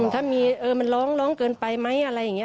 ถ้ามีมันร้องร้องเกินไปไหมอะไรอย่างนี้